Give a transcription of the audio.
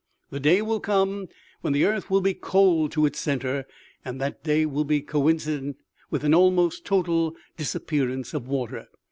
The day will come when the earth will be cold to its center, and that day will be coinci dent with an almost total disappearance of water.